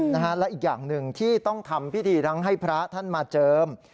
และอีกอย่างหนึ่งที่ต้องทำพิธีทั้งให้พระท่านมาเจิม